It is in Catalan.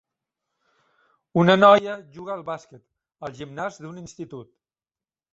Una noia juga al bàsquet al gimnàs d'un institut